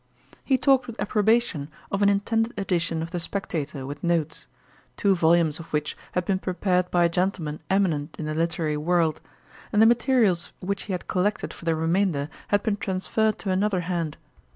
He talked with approbation of an intended edition of The Spectator, with notes; two volumes of which had been prepared by a gentleman eminent in the literary world, and the materials which he had collected for the remainder had been transferred to another hand.